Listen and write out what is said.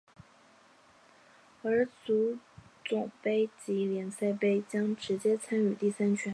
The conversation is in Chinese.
而足总杯及联赛杯将直接参与第三圈。